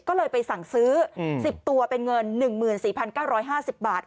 ก็เลยไปสั่งซื้อ๑๐ตัวเป็นเงิน๑๔๙๕๐บาท